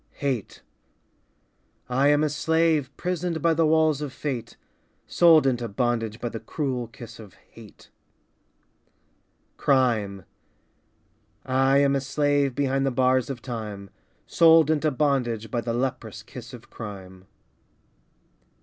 Hate I am a slave Prisoned by the walls of fate, Sold into bondage By the cruel kiss of hate. Crime I am a slave Behind the bars of time, Sold into bondage By the leprous kiss of crime.